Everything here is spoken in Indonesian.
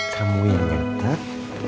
kamu yang nyetak